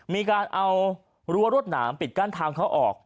มีการเอารั้วรวดหนามปิดกั้นทางเข้าออก